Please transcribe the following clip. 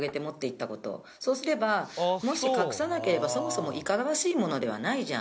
そうすれば「もし隠さなければそもそもいかがわしいものではないじゃん」